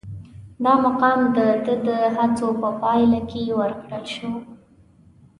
دا مقام د ده د هڅو په پایله کې ورکړل شو.